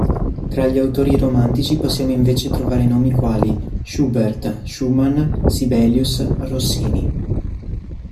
Tra gli autori romantici possiamo invece trovare nomi quali: Schubert, Schumann, Sibelius, Rossini.